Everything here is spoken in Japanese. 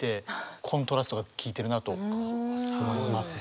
コントラストが効いてるなと思いますね。